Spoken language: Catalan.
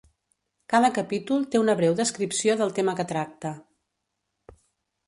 Cada capítol té una breu descripció del tema que tracta.